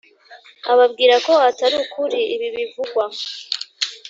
ababwira ko atari ukuri ibi bivugwa